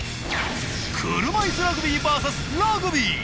車いすラグビーＶＳ．ラグビー。